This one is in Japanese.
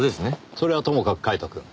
それはともかくカイトくん。